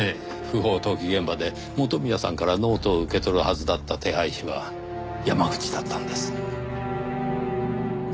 不法投棄現場で元宮さんからノートを受け取るはずだった手配師は山口だったんです。